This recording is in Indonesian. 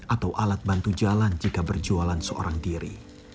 atau alat bantu jalan jika berjualan seorang diri